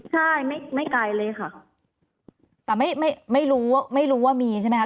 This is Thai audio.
ใช่ไม่ไม่ไกลเลยค่ะแต่ไม่ไม่ไม่รู้ไม่รู้ว่ามีใช่ไหมคะ